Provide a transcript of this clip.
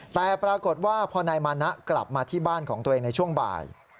แต่ปรากฏว่าพอนายมานะกลับมาที่บ้านของตัวเองในช่วงบ่าย